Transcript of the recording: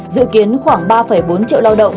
dự kiến khoảng ba bốn triệu lao động